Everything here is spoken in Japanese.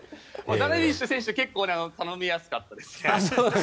ダルビッシュ選手は結構頼みやすかったです。